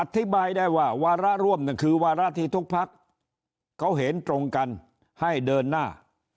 อธิบายได้ว่าวาระร่วมคือวาระที่ทุกพักเขาเห็นตรงกันให้เดินหน้า